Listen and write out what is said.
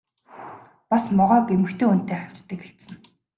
Бас могойг эмэгтэй хүнтэй хавьтдаг гэлцэнэ.